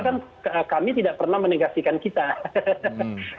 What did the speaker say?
namun kami tidak pernah menegasikan kami